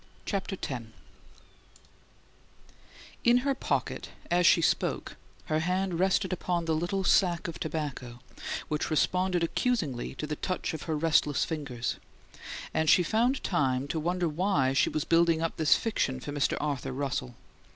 CHAPTER X In her pocket as she spoke her hand rested upon the little sack of tobacco, which responded accusingly to the touch of her restless fingers; and she found time to wonder why she was building up this fiction for Mr. Arthur Russell.